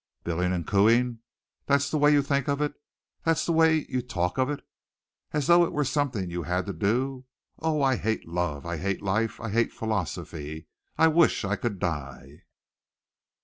"Billing and cooing! That's the way you think of it. That's the way you talk of it! As though it were something you had to do. Oh, I hate love! I hate life! I hate philosophy! I wish I could die."